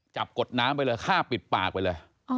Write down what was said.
กดน้ำไปเลยฆ่าปิดปากไปเลย